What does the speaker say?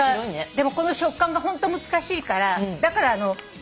でもこの食感がホント難しいからだから。